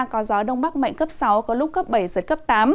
có gió đông bắc mạnh cấp sáu có lúc cấp bảy giật cấp tám